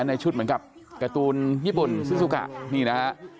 ในชุดเหมือนกับการ์ตูนญี่ปุ่นซึกะนี่นะฮะ